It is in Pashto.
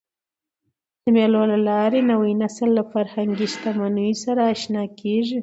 د مېلو له لاري نوی نسل له فرهنګي شتمنیو سره اشنا کېږي.